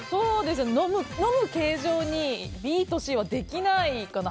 飲む形状にＢとＣはできないかな。